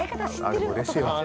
でもうれしいな。